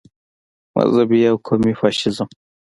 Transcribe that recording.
مذهبي او قومي فاشیزم.